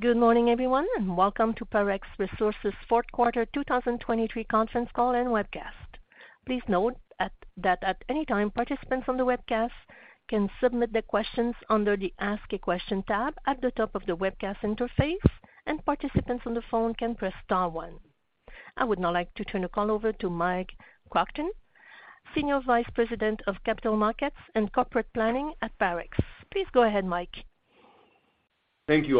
Good morning, everyone, welcome to Parex Resources' fourth quarter 2023 conference call and webcast. Please note that at any time, participants on the webcast can submit their questions under the Ask a Question tab at the top of the webcast interface, and participants on the phone can press star one. I would now like to turn the call over to Mike Kruchten, Senior Vice President of Capital Markets and Corporate Planning at Parex. Please go ahead, Mike. Thank you,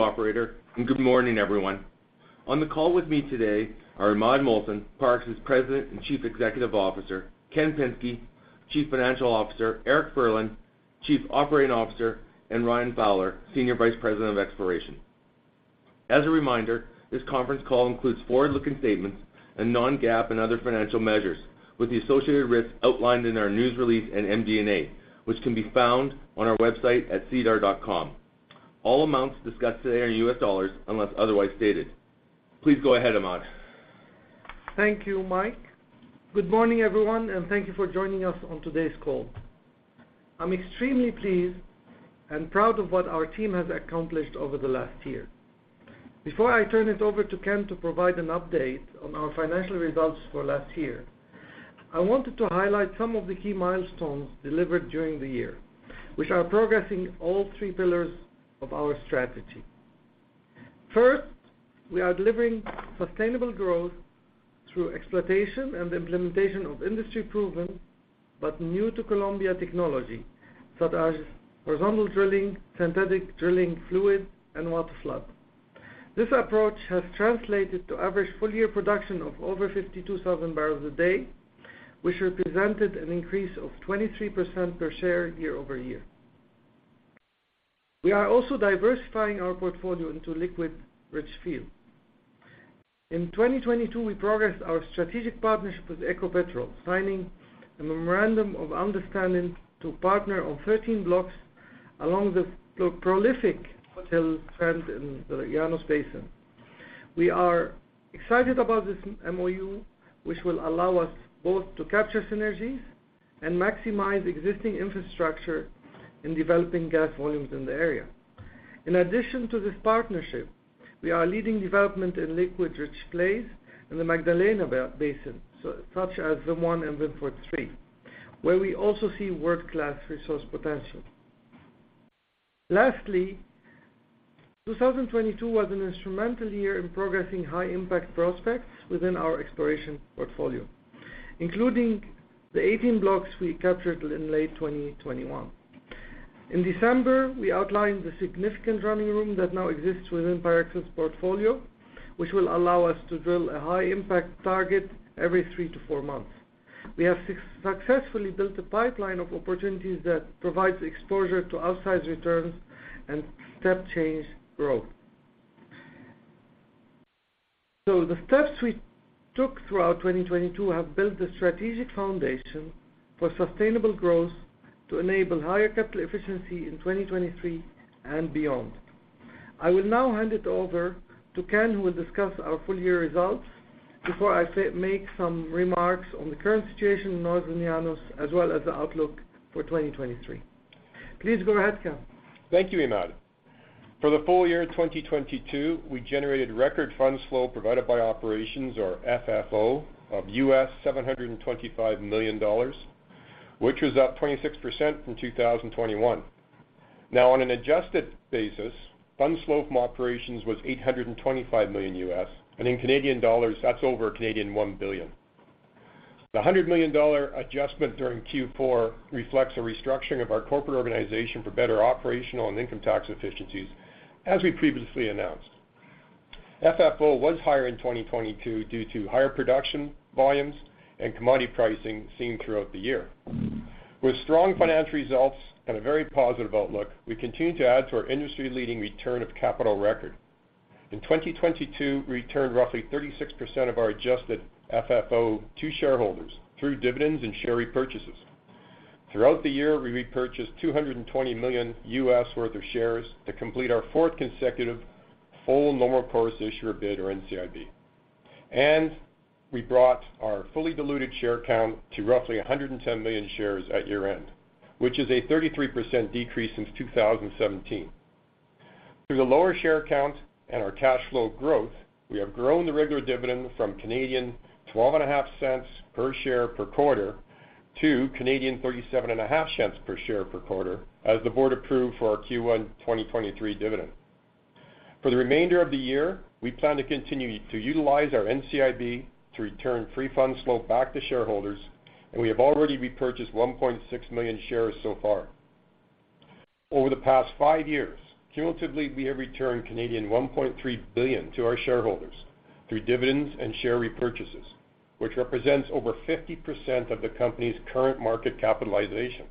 operator, and good morning, everyone. On the call with me today are Imad Mohsen, Parex's President and Chief Executive Officer; Ken Pinsky, Chief Financial Officer; Eric Furlan, Chief Operating Officer; and Ryan Fowler, Senior Vice President of Exploration. As a reminder, this conference call includes forward-looking statements and non-GAAP and other financial measures with the associated risks outlined in our news release and MD&A, which can be found on our website at sedar.com. All amounts discussed today are in U.S. dollars, unless otherwise stated. Please go ahead, Imad. Thank you, Mike. Good morning, everyone, and thank you for joining us on today's call. I'm extremely pleased and proud of what our team has accomplished over the last year. Before I turn it over to Ken to provide an update on our financial results for last year, I wanted to highlight some of the key milestones delivered during the year, which are progressing all three pillars of our strategy. First, we are delivering sustainable growth through exploitation and implementation of industry-proven but new-to-Colombia technology, such as horizontal drilling, synthetic drilling fluid, and waterflood. This approach has translated to average full-year production of over 52,000 bbl a day, which represented an increase of 23% per share year-over-year. We are also diversifying our portfolio into liquid rich field. In 2022, we progressed our strategic partnership with Ecopetrol, signing a memorandum of understanding to partner on 13 blocks along the prolific Foothills Trend in the Llanos Basin. We are excited about this MoU, which will allow us both to capture synergies and maximize existing infrastructure in developing gas volumes in the area. In addition to this partnership, we are leading development in liquid-rich plays in the Magdalena Basin, such as VIM-1 and VIM-43, where we also see world-class resource potential. Lastly, 2022 was an instrumental year in progressing high-impact prospects within our exploration portfolio, including the 18 blocks we captured in late 2021. In December, we outlined the significant running room that now exists within Parex's portfolio, which will allow us to drill a high impact target every three to four months. We have successfully built a pipeline of opportunities that provides exposure to outsized returns and step change growth. The steps we took throughout 2022 have built the strategic foundation for sustainable growth to enable higher capital efficiency in 2023 and beyond. I will now hand it over to Ken, who will discuss our full year results before I make some remarks on the current situation in Northern Llanos, as well as the outlook for 2023. Please go ahead, Ken. Thank you, Imad. For the full year 2022, we generated record funds flow provided by operations or FFO of $725 million, which was up 26% from 2021. On an adjusted basis, funds flow from operations was $825 million, and in Canadian dollars, that's over 1 billion Canadian dollars. The $100 million adjustment during Q4 reflects a restructuring of our corporate organization for better operational and income tax efficiencies, as we previously announced. FFO was higher in 2022 due to higher production volumes and commodity pricing seen throughout the year. With strong financial results and a very positive outlook, we continue to add to our industry-leading return of capital record. In 2022, we returned roughly 36% of our adjusted FFO to shareholders through dividends and share repurchases. Throughout the year, we repurchased $220 million worth of shares to complete our fourth consecutive full normal course issuer bid or NCIB. We brought our fully diluted share count to roughly 110 million shares at year-end, which is a 33% decrease since 2017. Through the lower share count and our cash flow growth, we have grown the regular dividend from 0.125 per share per quarter to 0.375 per share per quarter as the board approved for our Q1 2023 dividend. For the remainder of the year, we plan to continue to utilize our NCIB to return free funds flow back to shareholders, and we have already repurchased 1.6 million shares so far. Over the past five years, cumulatively, we have returned 1.3 billion Canadian dollars to our shareholders through dividends and share repurchases, which represents over 50% of the company's current market capitalization.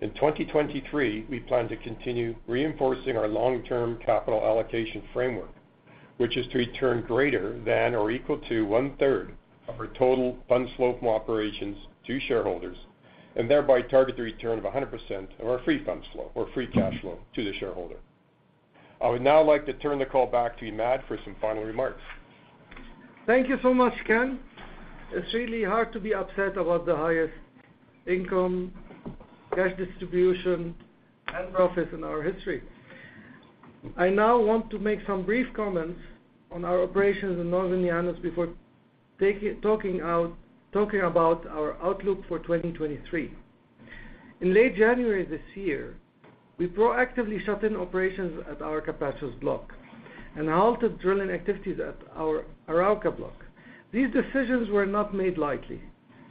In 2023, we plan to continue reinforcing our long-term capital allocation framework, which is to return greater than or equal to one-third of our total funds flow from operations to shareholders, thereby target the return of 100% of our free funds flow or free cash flow to the shareholder. I would now like to turn the call back to Imad for some final remarks. Thank you so much, Ken. It's really hard to be upset about the highest income, cash distribution, and profits in our history. I now want to make some brief comments on our operations in Northern Llanos before talking about our outlook for 2023. In late January this year, we proactively shut in operations at our Capachos block and halted drilling activities at our Arauca block. These decisions were not made lightly,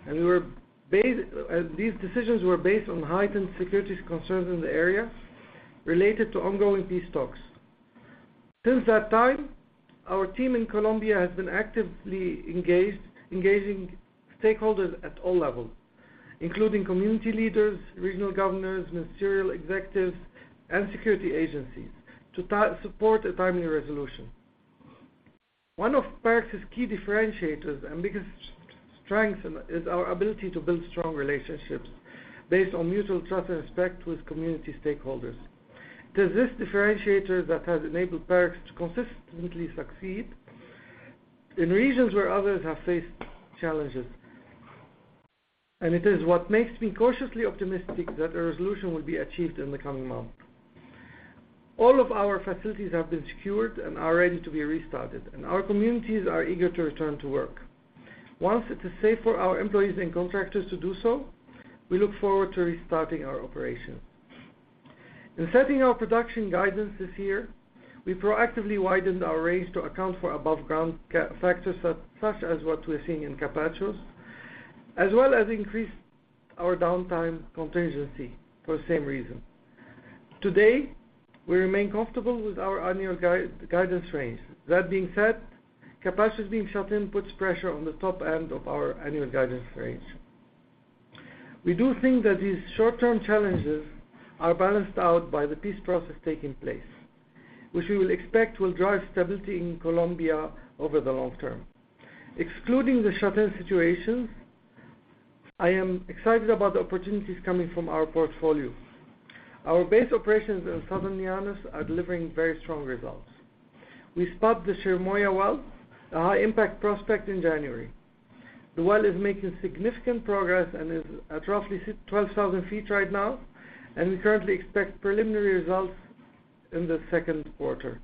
and these decisions were based on heightened security concerns in the area related to ongoing peace talks. Since that time, our team in Colombia has been actively engaging stakeholders at all levels, including community leaders, regional governors, ministerial executives, and security agencies to support a timely resolution. One of Parex's key differentiators and biggest strength is our ability to build strong relationships based on mutual trust and respect with community stakeholders. It is this differentiator that has enabled Parex to consistently succeed in regions where others have faced challenges. It is what makes me cautiously optimistic that a resolution will be achieved in the coming months. All of our facilities have been secured and are ready to be restarted, and our communities are eager to return to work. Once it is safe for our employees and contractors to do so, we look forward to restarting our operations. In setting our production guidance this year, we proactively widened our range to account for aboveground factors such as what we're seeing in Capachos, as well as increased our downtime contingency for the same reason. Today, we remain comfortable with our annual guidance range. That being said, Capachos being shut-in puts pressure on the top end of our annual guidance range. We do think that these short-term challenges are balanced out by the peace process taking place, which we will expect will drive stability in Colombia over the long term. Excluding the shut-in situations, I am excited about the opportunities coming from our portfolio. Our base operations in Southern Llanos are delivering very strong results. We spud the Chirimoya well, a high-impact prospect in January. The well is making significant progress and is at roughly 12,000 ft right now, and we currently expect preliminary results in the second quarter.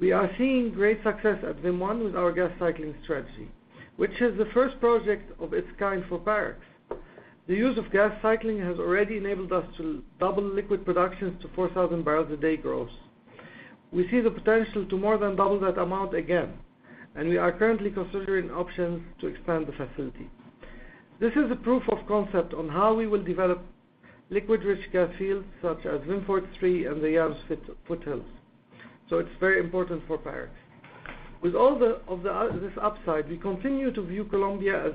We are seeing great success at VIM-1 with our gas cycling strategy, which is the first project of its kind for Parex. The use of gas cycling has already enabled us to double liquid production to 4,000 bbl a day gross. We see the potential to more than double that amount again. We are currently considering options to expand the facility. This is a proof of concept on how we will develop liquid-rich gas fields such as VIM-43 and the Foothills trend. It's very important for Parex. With all this upside, we continue to view Colombia as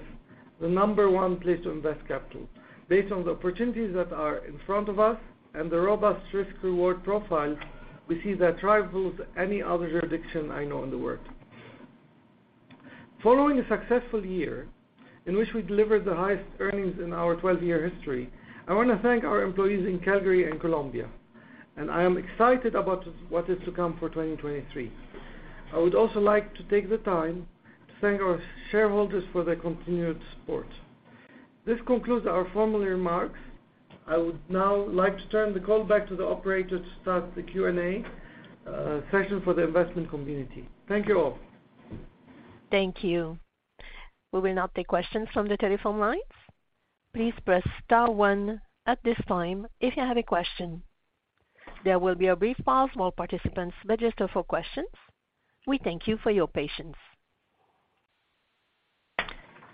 the number one place to invest capital. Based on the opportunities that are in front of us and the robust risk-reward profile, we see that rivals any other jurisdiction I know in the world. Following a successful year in which we delivered the highest earnings in our 12-year history, I wanna thank our employees in Calgary and Colombia, and I am excited about what is to come for 2023. I would also like to take the time to thank our shareholders for their continued support. This concludes our formal remarks. I would now like to turn the call back to the operator to start the Q&A session for the investment community. Thank you all. Thank you. We will now take questions from the telephone lines. Please press star one at this time if you have a question. There will be a brief pause while participants register for questions. We thank you for your patience.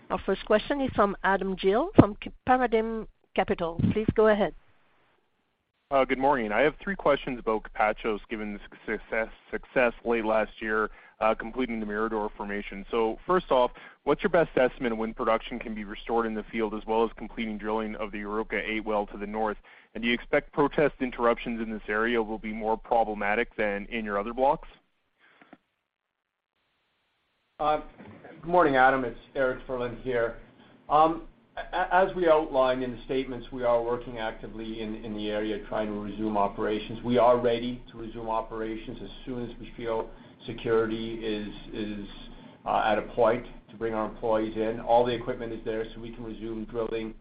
Our first question is from Adam Gill from Paradigm Capital. Please go ahead. Good morning. I have three questions about Capachos given the success late last year, completing the Mirador Formation. First off, what's your best estimate of when production can be restored in the field as well as completing drilling of the Arauca-A well to the North? Do you expect protest interruptions in this area will be more problematic than in your other blocks? Good morning, Adam. It's Eric Furlan here. As we outlined in the statements, we are working actively in the area trying to resume operations. We are ready to resume operations as soon as we feel security is at a point to bring our employees in. All the equipment is there, so we can resume drilling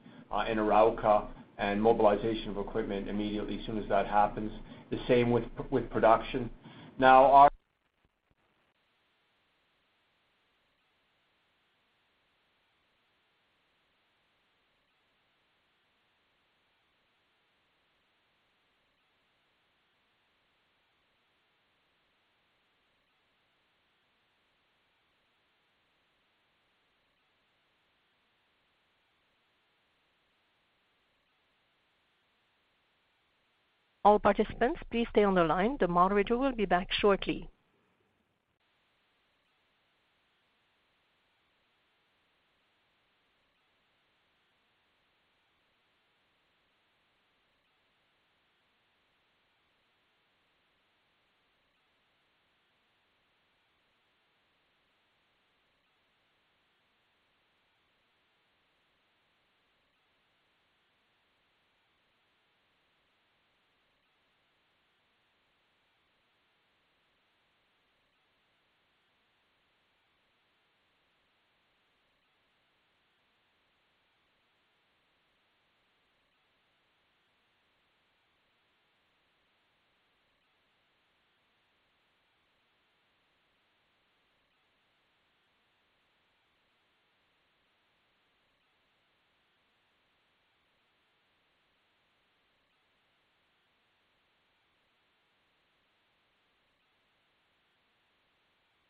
in Arauca and mobilization of equipment immediately as soon as that happens. The same with production. Our- All participants, please stay on the line. The moderator will be back shortly.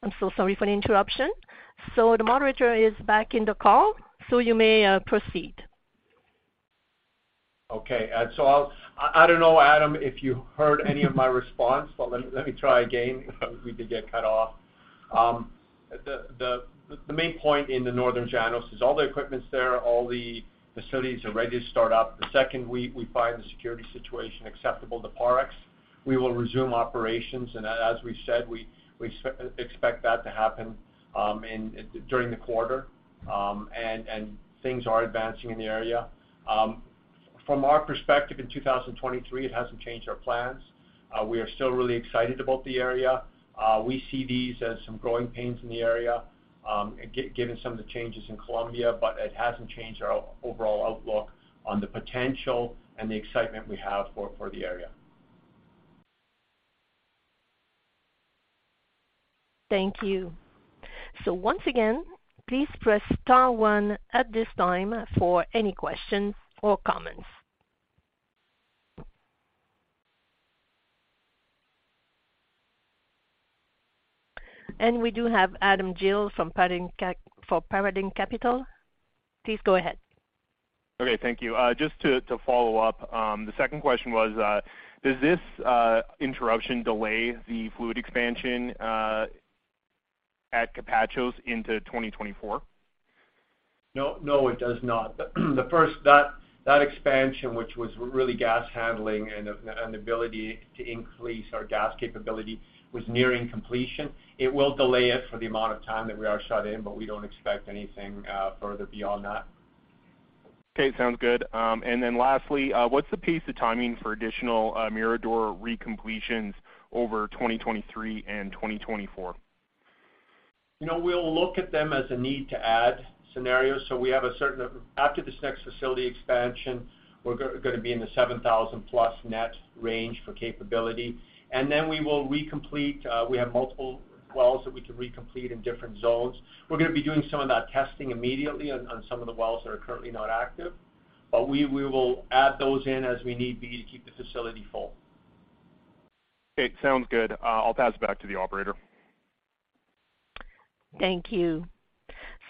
I'm so sorry for the interruption. The moderator is back in the call, so you may proceed. Okay. I don't know, Adam, if you heard any of my response, but let me try again. We did get cut off. The main point in the Northern Llanos is all the equipment's there, all the facilities are ready to start up. The second we find the security situation acceptable to Parex, we will resume operations. As we said, we expect that to happen during the quarter. And things are advancing in the area. From our perspective, in 2023, it hasn't changed our plans. We are still really excited about the area. We see these as some growing pains in the area, given some of the changes in Colombia, but it hasn't changed our overall outlook on the potential and the excitement we have for the area. Thank you. Once again, please press star one at this time for any questions or comments. We do have Adam Gill from Paradigm Capital. Please go ahead. Okay, thank you. Just to follow up, the second question was, does this interruption delay the fluid expansion at Capachos into 2024? No, no, it does not. The first that expansion, which was really gas handling and the ability to increase our gas capability, was nearing completion. It will delay it for the amount of time that we are shut in, we don't expect anything further beyond that. Okay. Sounds good. Then lastly, what's the pace to timing for additional Mirador recompletions over 2023 and 2024? You know, we'll look at them as a need to add scenarios. After this next facility expansion, we're gonna be in the 7,000 plus net range for capability. We will recomplete. We have multiple wells that we can recomplete in different zones. We're gonna be doing some of that testing immediately on some of the wells that are currently not active, but we will add those in as we need be to keep the facility full. Okay. Sounds good. I'll pass it back to the operator. Thank you.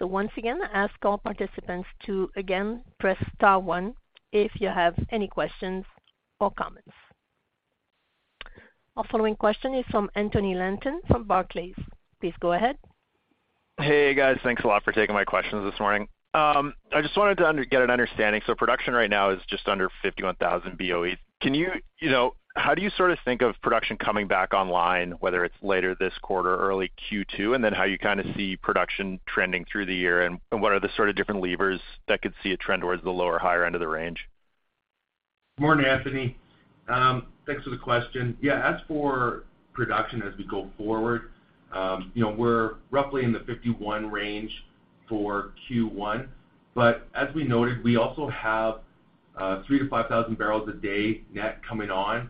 Once again, ask all participants to, again, press star one if you have any questions or comments. Our following question is from Anthony Linton from Barclays. Please go ahead. Hey, guys. Thanks a lot for taking my questions this morning. I just wanted to get an understanding. Production right now is just under 51,000 BOEs. You know, how do you sort of think of production coming back online, whether it's later this quarter, early Q2, and then how you kind of see production trending through the year, and what are the sort of different levers that could see a trend towards the lower, higher end of the range? Morning, Anthony. Thanks for the question. Yeah, as for production as we go forward, you know, we're roughly in the 51 range for Q1. As we noted, we also have 3,000-5,000 bbl a day net coming on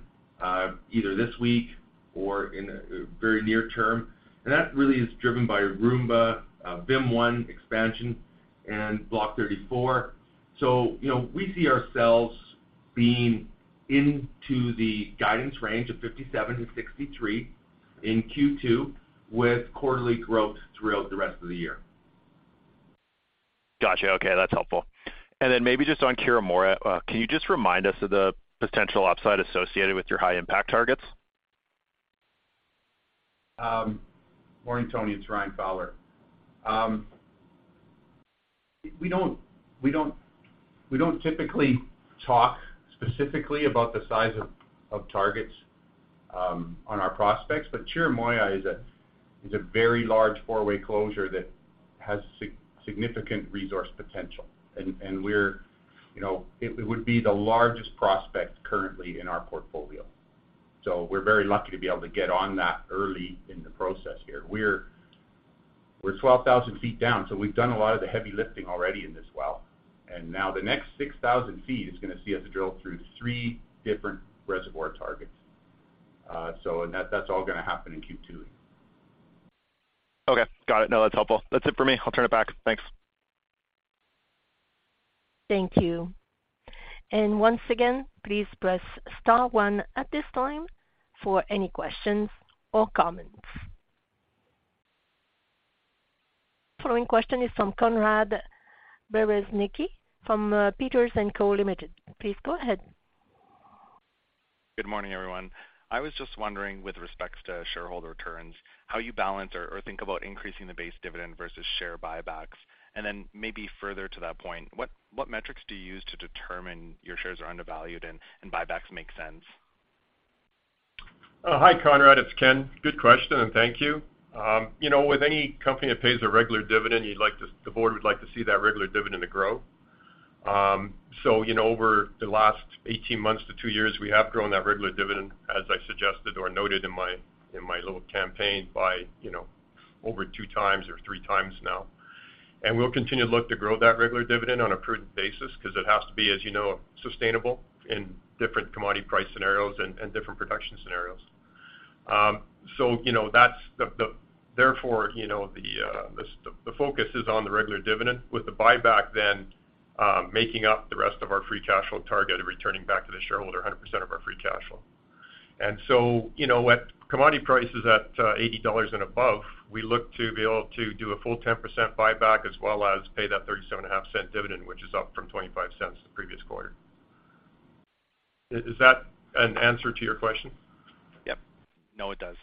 either this week or in the very near term. That really is driven by Rumba, VIM-1 expansion and Block 34. You know, we see ourselves being into the guidance range of 57-63 in Q2 with quarterly growth throughout the rest of the year. Gotcha. Okay. That's helpful. Maybe just on Chirimoya, can you just remind us of the potential upside associated with your high impact targets? Morning, Tony. It's Ryan Fowler. We don't typically talk specifically about the size of targets on our prospects, Chirimoya is a very large four-way closure that has significant resource potential. You know, it would be the largest prospect currently in our portfolio. We're very lucky to be able to get on that early in the process here. We're 12,000 ft down, we've done a lot of the heavy lifting already in this well. Now the next 6,000 ft is gonna see us drill through three different reservoir targets. That's all gonna happen in Q2. Okay. Got it. That's helpful. That's it for me. I'll turn it back. Thanks. Thank you. Once again, please press star one at this time for any questions or comments. Following question is from Conrad Bereznicki from Peters & Co. Limited. Please go ahead. Good morning, everyone. I was just wondering, with respects to shareholder returns, how you balance or think about increasing the base dividend versus share buybacks? Maybe further to that point, what metrics do you use to determine your shares are undervalued and buybacks make sense? Hi, Conrad. It's Ken. Good question, and thank you. You know, with any company that pays a regular dividend, the board would like to see that regular dividend to grow So, you know, over the last 18 months to two years, we have grown that regular dividend as I suggested or noted in my, in my little campaign by, you know, over 2x or 3x now. We'll continue to look to grow that regular dividend on a prudent basis because it has to be, as you know, sustainable in different commodity price scenarios and different production scenarios. You know, that's therefore, you know, the focus is on the regular dividend with the buyback then making up the rest of our free cash flow target and returning back to the shareholder 100% of our free cash flow. You know, at commodity prices at $80 and above, we look to be able to do a full 10% buyback as well as pay that $0.375 dividend, which is up from $0.25 the previous quarter. Is that an answer to your question? Yep. No, it does.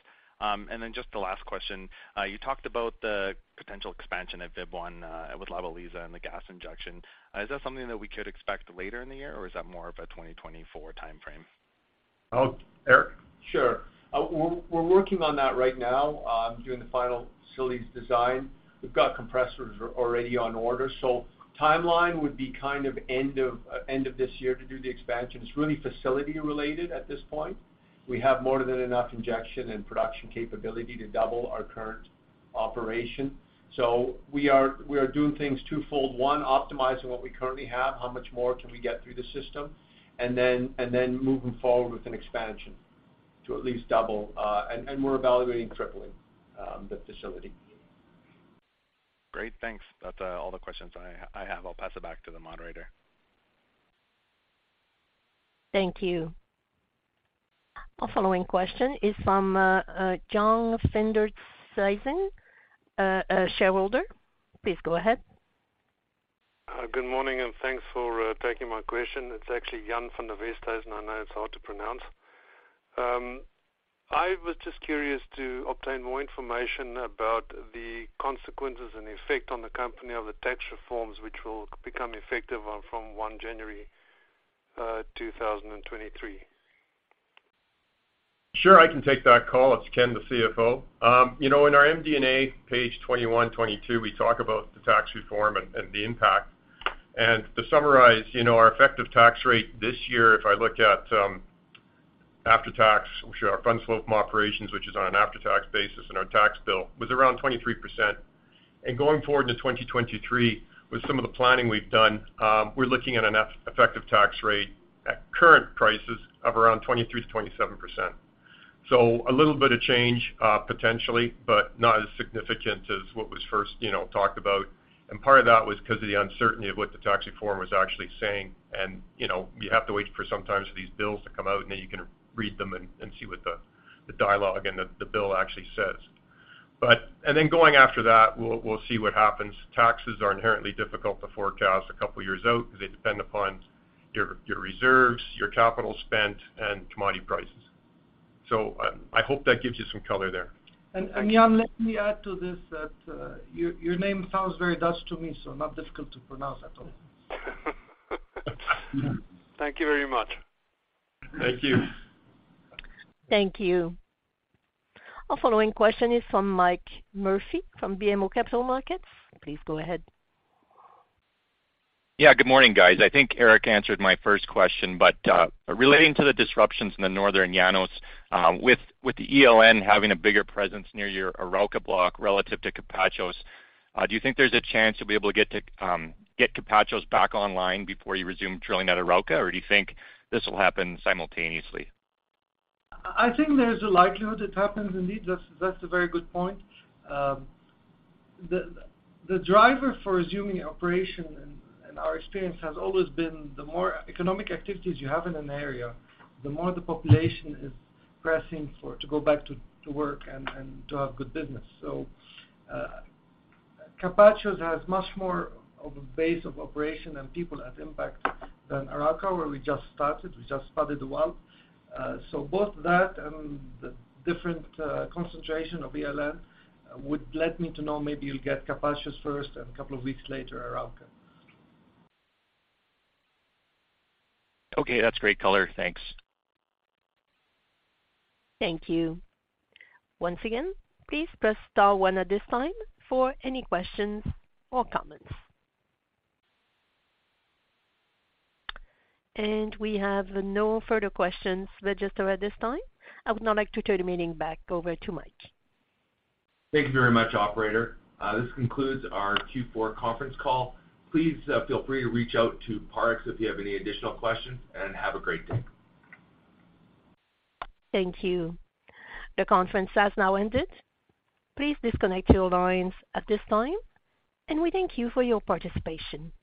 Just the last question. You talked about the potential expansion at VIM-1, with La Belleza and the gas injection. Is that something that we could expect later in the year, or is that more of a 2024 timeframe? Oh, Eric? Sure. We're working on that right now, doing the final facilities design. We've got compressors already on order. Timeline would be kind of end of this year to do the expansion. It's really facility related at this point. We have more than enough injection and production capability to double our current operation. We are doing things twofold. One, optimizing what we currently have, how much more can we get through the system, and then moving forward with an expansion to at least double, and we're evaluating tripling the facility. Great. Thanks. That's all the questions I have. I'll pass it back to the moderator. Thank you. Our following question is from John, a shareholder. Please go ahead. Good morning, and thanks for taking my question. It's actually. I know it's hard to pronounce. I was just curious to obtain more information about the consequences and effect on the company of the tax reforms which will become effective from January 1, 2023. Sure. I can take that call. It's Ken, the CFO. You know, in our MD&A, page 21, 22, we talk about the tax reform and the impact. To summarize, you know, our effective tax rate this year, if I look at after tax, which our FFO, which is on an after-tax basis, and our tax bill was around 23%. Going forward into 2023, with some of the planning we've done, we're looking at an effective tax rate at current prices of around 23%-27%. A little bit of change, potentially, but not as significant as what was first, you know, talked about. Part of that was 'cause of the uncertainty of what the tax reform was actually saying. You know, you have to wait for sometimes these bills to come out, and then you can read them and see what the dialogue and the bill actually says. Then going after that, we'll see what happens. Taxes are inherently difficult to forecast a couple of years out 'cause they depend upon your reserves, your capital spent, and commodity prices. I hope that gives you some color there. Jan, let me add to this that your name sounds very Dutch to me, so not difficult to pronounce at all. Thank you very much. Thank you. Thank you. Our following question is from Mike Murphy from BMO Capital Markets. Please go ahead. Good morning, guys. I think Eric answered my first question, but, relating to the disruptions in the Northern Llanos, with the ELN having a bigger presence near your Arauca block relative to Capachos, do you think there's a chance you'll be able to get to, get Capachos back online before you resume drilling at Arauca? Or do you think this will happen simultaneously? I think there's a likelihood it happens indeed. That's a very good point. The driver for resuming operation in our experience has always been the more economic activities you have in an area, the more the population is pressing to go back to work and to have good business. Capachos has much more of a base of operation and people at impact than Arauca, where we just started. We just spudded the well. Both that and the different concentration of ELN would lead me to know maybe you'll get Capachos first and a couple of weeks later, Arauca. Okay. That's great color. Thanks. Thank you. Once again, please press star one at this time for any questions or comments. We have no further questions registered at this time. I would now like to turn the meeting back over to Mike. Thank you very much, operator. This concludes our Q4 conference call. Please feel free to reach out to Parex if you have any additional questions, and have a great day. Thank you. The conference has now ended. Please disconnect your lines at this time, and we thank you for your participation.